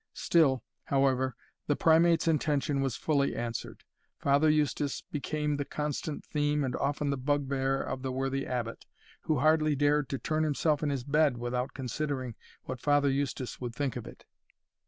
Still, however, the Primate's intention was fully answered. Father Eustace became the constant theme and often the bugbear of the worthy Abbot, who hardly dared to turn himself in his bed without, considering what Father Eustace would think of it.